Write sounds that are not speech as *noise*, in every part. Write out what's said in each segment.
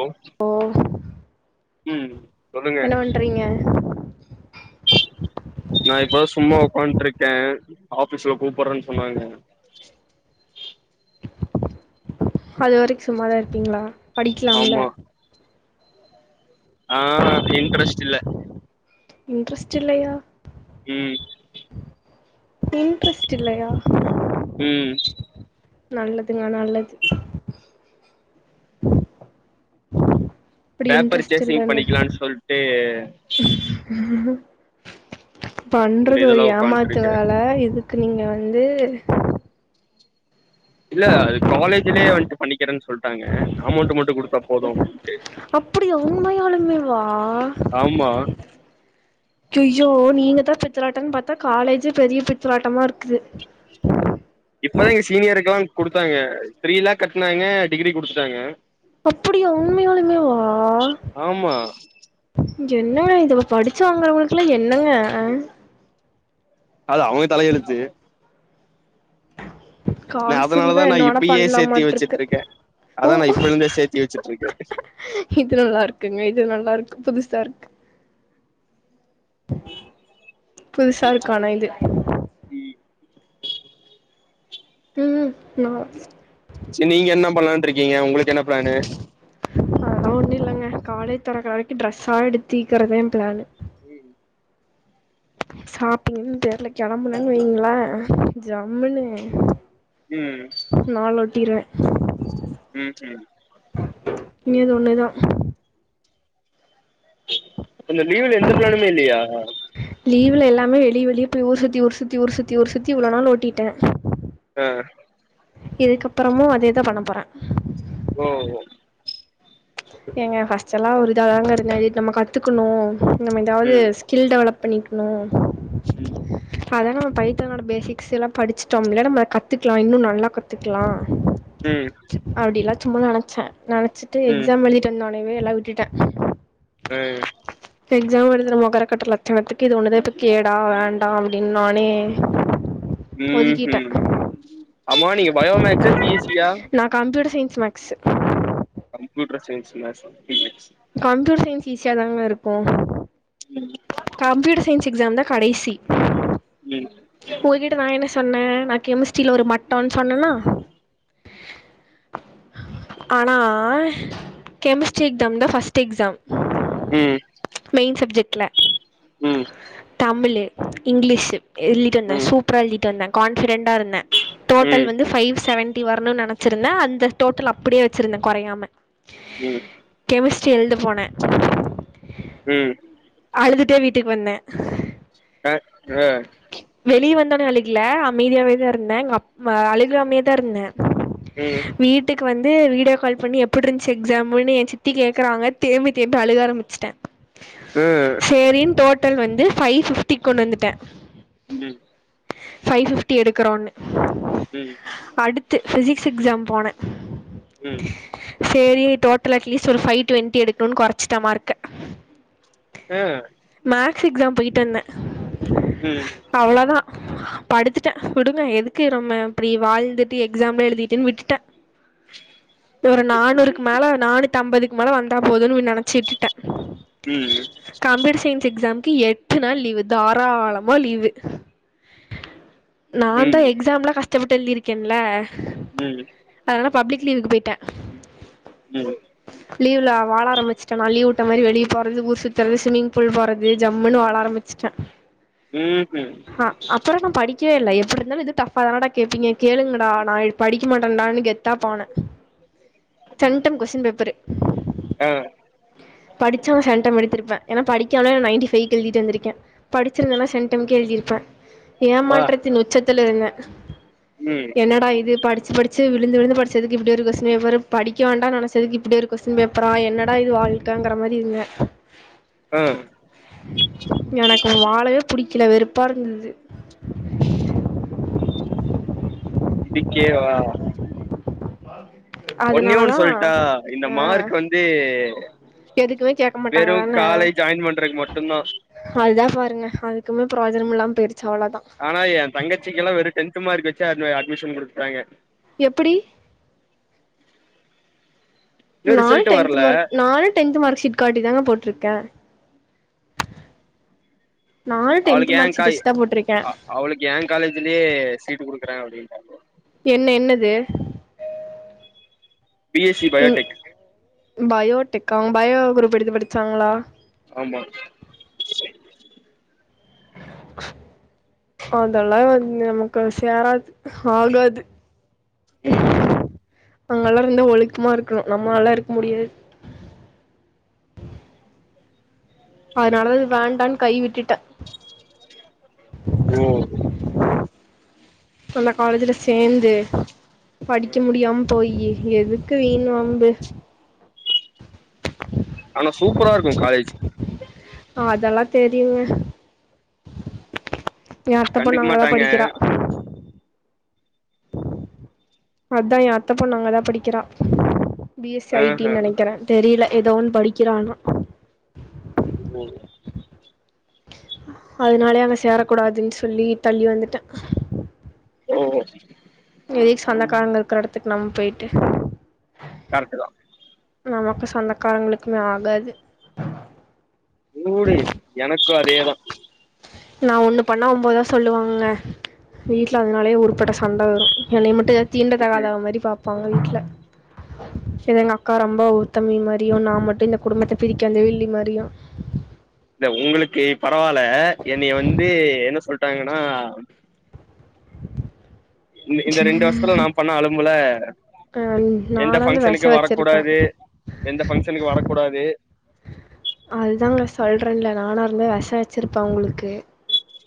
ஒ ஓ ம் சொல்லுங்க என்ன பண்றீங்க நா இப்ப சும்மா உக்காண்ட்ருக்கே ஆஃபிஸ்ல கூப்புறேன்னு சொன்னாங்க அதுவரைக்கு சும்மாதா இருப்பீங்களா படிக்கலாம்ல ஆ அது இன்ட்ரஸ்ட்டில்ல இன்ட்ரஸ்ட் இல்லையா ம் இன்ட்ரெஸ்ட் இல்லையா ம் நல்லதுங்க நல்லது இப்டி பேப்பர் இன்ட்ரெஸ்ட் சேசிங் இல்லன்னு பண்ணிக்கலான்னு சொல்ட்டு பண்றது ஒரு இதுல ஏமாத்து உக்காந்ட்ருக்கே வேல இதுக்கு நீங்க வந்து இல்ல அது காலேஜ்லயே வண்ட்டு பண்ணிக்கிறேன்னு சொல்ட்டாங்க அமௌண்ட் மட்டு குடுத் அப்டியா உண்மையாலுமேவா ஆமா யோ நீங்க தா பித்தலாட்டன் பாத்தா காலேஜ்ஜே பெரிய பித்தலாட்டமா இருக்குது இப்பதா எங்க சீனியருக்குலா குடுத்தாங்க த்ரீ லேக் கட்டுனாங்க டிகிரி குடுத்துட்டாங்க அப்படியா உண்மையாளுமே வா ஆமா என்ன இத அப்ப படிச்சு வாங்கறவங்களுக்கல்லா என்னங்க அது அவங்க தலையெழுத்து நா காசு இருந்தா அதனாலதா நா என்ன வேனா இப்பயே பண்லா சேத்தி மாட்ருக்கு வச்சிட்ருக்கே ஓ அதா நா இப்ப இருந்தே சேத்தி வச்சிட்ருக்கே இது நல்லா இருக்குங்க இது நல்லா இருக்கு புதுசு சாருக் புதுசா இருக்கு ஆனா இது ம் ம் நா நீங்க என்ன பண்லான் ட்ருக்கீங்க உங்களுக் என்ன ப்ளனு அதலா ஒண்ணு இல்லங்க காலேஜ் தெரக்கற வரைக்கு டிரெஸ்ஸா எடுத்திக்கிறதே ப்ளனு ம் ஷாப்பீங்கன்னு பேர்ல கெளம்பனன் வைங்களா ஜம்முன்னு ம் நாள் ஒட்டிருவ ம் ம் உன்னியதா உன்னயதா இந்த லீவுல எந்த பிளானுமே இல்லையா. லீவுல எல்லாமே வெளிய வெளிய போய் ஊர் சுத்தி ஊர் சுத்தி ஊர் சத்தி ஊர் சுத்தி இவ்ளோ நாள் ஓட்டிட்டே ஆ இதுக்கப்புறமு அதேதா பண்ண போறே ஓ ஓ. ஏங்க ஃபர்ஸ்ட் எல்லா ஒரு இதாதாங்க இருந்தே அத நம்ம கத்துக்கணு நம்ம ஏதாவது ஸ்கில் டெவலப் பண்ணிக்கணும். ம். ப்போ அதான் நம்ம பைத்தனோட பேசிக்ஸ்லாம் படிச்சிட்டோம்ல்ல நம்ம அதை கத்துக்கலாம் இன்னும் நல்லா கத்துக்கலாம். ம். ம்மா நினைச்சேன் நினைச்ச *unintelligible* ம் எக்ஸாம் எழுதிட்டு வா *unintelligible* எல்லாம் விட்டுட்டேன். ம். எக்ஸாம் எழுதுற மொகரகட்ட லட்சணத்துக்கு இது ஒன்னுதா இப்ப கேடா வேண்டா அப்டின்னு நானே ஒதுக்கிட்டே ம்ஹூம், ஆமா நீங்க பயோமேக்ஸா, சி எஸ் சியா ஸ் மேக்ஸ் கம்ப்யூட்டர் சயின்ஸ் மேக்ஸா கம்ப்யூட் சைன் ஈசியாதாங்க இருக்கு கம்ப்யூட சைன் ஸ் எக்ஸாம்தா கடைசி ம் உங்ககிட்ட நா என்ன சொன்ன நா கெமிஸ்ட்ரில ஒரு மட்டோன் சொன்னனா ஆனா கெமிஸ்ட்ரி எக்ஸாம் தா ஃபஸ்ட்டு எக்ஸாம் ம் மெய்ன் சப்ஜெக்ட்ல ம் தமிழு இங்லீஷு எழிட்டு வந்த ம் சூப்ரா எழ்திட்டு வந்த கான்ஃபிடன் ட்டா இருந்த ம் டோட்டல் வந்து ஃபைவ் செவன் ட்டி வரணுன் நெனச்சிருந்த அந்த டோட்டல் அப்டியே வச்சிருந்த கொறையாம ம் கெமிஸ்ட்ரி எழ்த போன ம் அழுதுட்டே வீட்டுக் வந்த அ உ தோனே அழுகில அமைதியாவே தா இருந்த எங் அப் ம அழுக்லாம்யே தா இர்ந்த ம் ஆ ம் வீட்டுக் வந் து வீட்யோ கால் பண்ணி எப்டிட்ருந்ச்சு எக்ஸாமுன்னு எ சித்தி கேக்குறாங்க தேம்பி தேம்பி அழுக ஆரமுச்சுட்ட ம் சேரின் தோட் டல் வந்து ஃபை ஃபிப்டி கொண் வந்துட்ட ம் ஃபைவ் ஃபிஃப்டி எடுக்குறோன்னு ம் து பிசிக்ஸ் எக்ஸாம் போன சேரி டோட்டல் அட்லீஸ்ட் ஒரு ஃபை டுவெண்ட்டி எடுக்கனுன் கொரச்சிட்ட மார்க்க ஆ மேக்ஸ் எக்ஸாம் பொய்ட் வந்த ம் ம் அவளதா படுத்துட்டேன் விடுங்க எதுக்கு ரொம்ப அப்படி வாழ்ந்துட்டு எக்ஸாம்லாம் எழுதிட்டுன்னு விட்டுட்டேன் ஒரு நானூறுக்கு மேல நானுத் தம்பதுக்கு மேல வந்தா போதுனு நினச்சிட்டு விட்டுட்டே ம் எக்ஸாம்கு எட்டு நாள் லீவு தாராளமா லீவு நான் தான் எக்ஸாம் எலாம் கஷ் ப்பட்டு எழுதி இருக்கேன்ல ம் பப்ளிக் லீவுக்கு போய்ட்டே ம் லீவில வாழ ஆரம்பிச்சுட்டேனா லீவ் விட்ட மாரி வெளிய போகிறது ஊ சுற்றுறது சும்மிங் புல் போறது ஜம்முன்னு வாழ ஆரம்பிச்சுட்டே ம்ஹும் ஆ அப்புறம் நா படி கேல எப்படி இருந்தாலும் இது டஃப்பாதானாடா கேட்பீங்க கேளுங்கடா நா படிக்க மாட்டேன்டான்னு கெத்தா போனே சென்டம் கொஸ்டின் பேப்பரு ஆ படிச்சா சென்டம் எடுத்திருப்பேன் என்ன படி படிக்காமலே நைன்டி பைவ் கு எழுதிட்டு வந்திருக்க படிச்சிருந்தனா சென்டம் கே எழுதிருப்பேன் வா ஏமாற்றத்தின் உச்சத் த்தில் இருந்தேன் ம் என்னடா இது படி பச்சு படிச்சு விழுந்து விழுந்து படிச்சதுக்கு இப்படி ஒரு கொஸ்டின் பேப்பரு படிக்க வேண்டாம் நினைச்சதுக்கு இப்படி ஒரு கொஸ்டின் பேப்பரா என்னட இது வாழ்க்க மாரி இருந்தே ஆ எனக்கும் வாழையே புடிக்கல வெறுப்பா இருந்தது இதுக்கே வா *inaudible* ஒன்னே அதனால ஒன்னு தான் சொல்ட்டா இந்த மார்க் வந்து எதுக்குமே கேட்க மாட்டாங்க வெறும் தானே காலேஜ் ஜாயின் பண்றக்கு மட்டும்தான் அதுதான் பாருங்க அதுக்குமே பிரயோகஜனம் இல்லாமே போயி ஆனா எ தங்கச்சிக்கலா வெறு டென்த் மார்க் வச் சு அந்த அட்மிஷன் குடுத்துட்டாங்கெ எப்பிடி இன்னு நானு ரிசல்ட் டென்த் வரல மார்க் நானு டென்த் மார்க் ஷீட் காட்டி தாங்க போட்ருக்கே அவளுக்கு ஏங்காய் அ அவளுக்கு ஏங் காலேஜுலே சீட்டு குடுக் கிறே அப்டின்டாங்கோ என்ன என்னது பி எஸ் சி பயோடெக் பயோடெக்கா அவ்ங்க பயோ குரூப் எடுத்து படிச்சாங்களா ஆமா அதெல்லா வந்து எனக்கு சேராது ஆகாது உம் ஹிம் அங்கலா இருந்தா ஒழுக்கமா இருக்கணு நம்மளால்லா இருக்க முடியாது அதனாலதா வேண்டான் கை விட்டுட்டே ஓ அந்த காலேஜுல சேந்து படிக்க முடியாம போயி எதுக்கு வீண் வம்பு ஆனா சூப்பரா இருக்கு காலேஜ் ஆஹ் அதெல்லா தெரி யு *inaudible* எ அத்த பொண்ணு கண்டுக்க அங்கதா மாட்டாங்க படிக்கிறா அதா எ அத்தப் பொண்ணு அங்கதா படிக்கிறா B S C I T ஆஹ ன் நெனைக்கிறே தெரியல எதோ ஒன்னு படிக்கிறா ஆனா உம் அதனாலே அங்க சேரக்கூடாதுன் சொல்லி தள்ளி வந்துட்டே ஓ எதுக்கு சொந்தக்காரங்க இருக்ற எடத்துக்கு நம்ம போயிட்டு கரெக்ட்டு தா நமக்கு சொந்தக்காரங்களுக்குமே ஆகாது ஊடு எனக்கு அதேதா நா ஒண்ணு பண்ணா ஒம்போதா சொல்லுவாங்கங்க எங்க வீட்ல அதனாலே ஊருப்பட்ட சண்ட வரு என்னைய மட்டு தீண்ட தகாதவ இல்ல மாரி பாத்து அவ்ங்க வீட்ல இல்ல எங்க அக்கா ரொம்ப உத்தமி மாரியு நா மட்டு இந்த குடும்பத்த பிரிக்க வந்த வில்லி மாரியு இல்ல உங்களுக்கு பரவால்ல என்னைய வந்து என்ன சொல்ட்டாங்கனா இந்த இந்த ரெண்டு வர்ஷத்துல நா பண்ண அலும்புல அ எந்த நானா வந்து வெஷ பங்க்ஷனுக்கு வச்சிருப்பேன் வரக்கூடாது எந்த பங்க்ஷனுக்கு வரக்கூடாது சிருப்பே அவ்ங்களுக்கு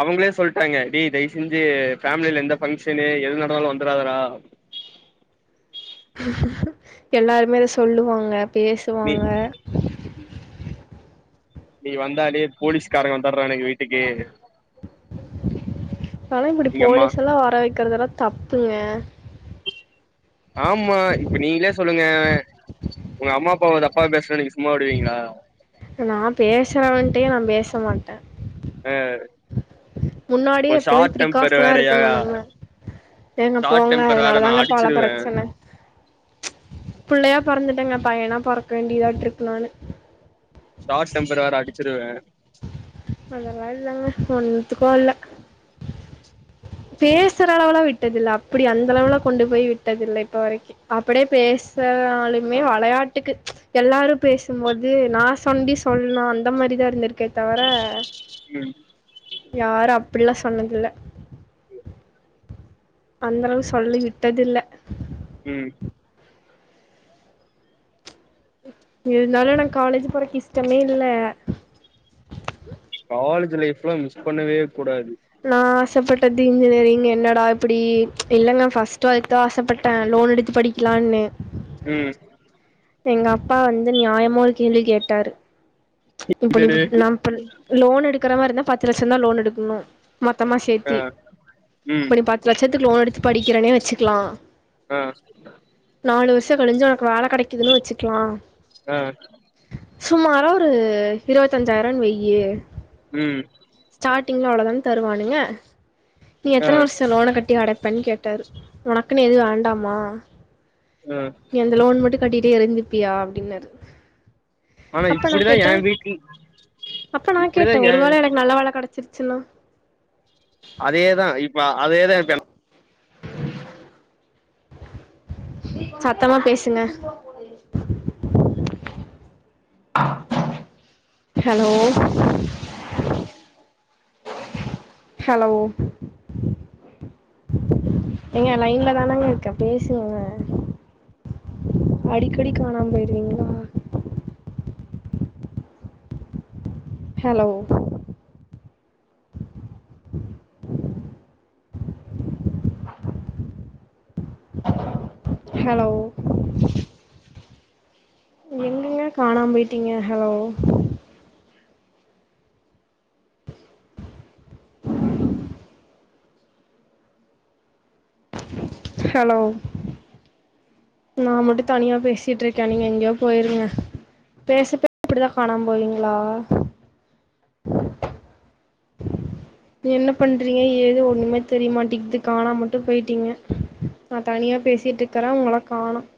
அவங்களே சொல்ட்டாங்கெ டேய் தயவு செஞ்சு ஃபேம்லில எந்த பங்க்ஷனு எது நடந்தாலு வந்ராதடா எல்லாருமே அத சொல்லுவாங்க நீ பேசுவாங்க நீ வந்தாலே போலீஸ்காரங்க வந்தர்றானுங்க வீட்டுக்கே தால இப்படி போலீஸ் எல்லா வக்கிற்தெல்லா தப்புங்க ஆமா இப்ப நீங்களே சொல்லுங்க உங்க அம்மா அப்பா தப்பா பேசினா நீங்க சும்மா விடுவீங்களா நா பேசுறவன்ட்டயே நா பேச மாட்ட ஆ முன்னாடியே எப்பயுமே பிரிக்காஷனா இருக்கணு நம்ம ஏங்க ஷார்ட் போங்க டெம்பர் வேற நா அதனாலதாங்க பல அடிச்சிருவே பிரச்சன, புள்ளையா பொறந்துட்டங்க பையனா பொறக்க வேண்டியதாட்டு இருக்கு நானு ஷார்ட் டெம்பர் வேற அடிச்சுருவே அதல்லா இல்லங்க, ஒண்ணுத்துக்கு இல்ல பேசுற அளவுலா விட்டதில்ல அப்டி அந்த அளவுலா கொண்டு போய் விட்டதில்லை இப்ப வரைக்கு அப்டியே பேசுனாலுமே வெளையாட்டுக்கு எல்லாரு பேசும்போது நா சொண்டி சொன்னா அந்த மாரிதா இருந்திருக்கே தவர ம் யாரு அப்படிலா சொன்னதில்ல அந்தளவுக்கு சொல்லயு விட்டதில்ல ம் இருந்தாலு நா காலேஜ் போறக்கு இஷ் டமே இல்ல காலேஜ் லைஃப்ல்லா மிஸ் பண்ணவே கூடாது நா ஆசைப்பட்டது இன்ஜினியரிங், என்னடா இப்டி இல்லைங்க ஃப்ர்ஸ்ட் அதுக்குதா ஆசைப்பட்ட லோன் எடுத்து படிக்கலான்னு ம் எங்க அப்பா வந்து நியாயமா ஒரு கேள்வி கேட்டாரு இப்ப நீ இல்லடி இப் நா இப்ப லோன் எடுக் கற மாரி இருந்தா பத்து லட்சம்தா லோன் எடுக்குணு மொத்தமா ஆ சேத்தி, ம் இப்ப நீ பத்து லட்சத்துக்கு லோன் எடுத்து படிக்கிறனே வச்சுக்லா ஆ நாலு வருஷ கழிஞ்சு உனக்கு வேல கெடைக்குதுன்னு வச்சுக்லா ஆ சுமாரா ஒ ரு இருபத்தஞ்சாயிரனு வையி ம் டீங்ல அவ்ளோதான தருவானுங்க நீ ஆ எத்தன வருஷோ லோன கட்டி அடப் பண்ணி கேட்டாரு உனக்குனு எது வேண்டாமா ஆ நீ அந்த லோன் மட்டு கட்டிட்டே இருந்து பியா அப்டின்னாரு ஆனா அப்ப நா இப்டிதா எ கேட்டே, வீட்ல அப்ப நா இப்டிதா கேட்டே, எ ஒரு வேளை எனக்கு நல்ல வேல கெடச்சிரு ச்சினா அதேதா இப்ப அதேதா இப்ப என சத்தமா பேசுங்க ஹலோ ஹலோ ஏங்க லைன்ல தானேங்க இருக்கே பேசுங்க அடிக்கடி காணாம போயிருவீங்களா ஹலோ ஹலோ எங்கெங்கே காணாம போயிட்டீங்க ஹலோ ஹலோ நான் மட்டும் தனியா பேசிட்டு இருக்கேன் நீங்க எங்கேயோ போயிருங்க பேசப் பேச இப்படிதான் காணாம போவீங்களா என்ன பண்றீங்க ஏது ஒண்ணுமே தெரியமாட்டேங்கது காணாம மட்டும் போயிட்டீங்க நான் தனியா பேசிட்டு இருக்கறேன் உங்கள காணாம்